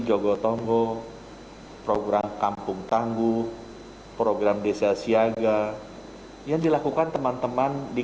jogotongo program kampung tangguh program desa siaga yang dilakukan teman teman di